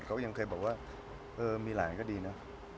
เขายังเคยบอกว่าเออมีหลานก็ดีนะ